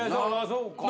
そうか。